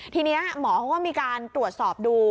ทีนี้หมอเขาก็มีการตรวจสอบดู